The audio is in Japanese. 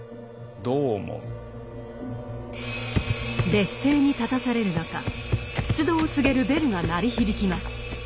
劣勢に立たされる中出動を告げるベルが鳴り響きます。